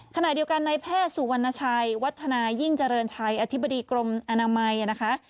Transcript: ขณะเดียวกันในแพทย์สุวรรณชัยวัฒนายิ่งเจริญชัยอธิบดีกรมอนามัยนะคะ